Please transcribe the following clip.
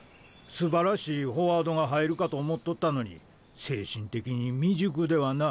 すばらしいフォワードが入るかと思っとったのに精神的に未熟ではな」